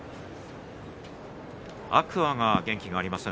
天空海が元気がありません。